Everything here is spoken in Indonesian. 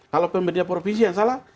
kalau pemerintah provinsi yang salah